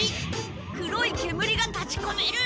黒い煙が立ちこめる。